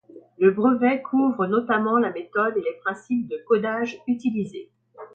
Le brevet couvre notamment la méthode et les principes de codage utilisés.